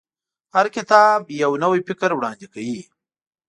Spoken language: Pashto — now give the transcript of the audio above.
هر کتاب یو نوی فکر وړاندې کوي.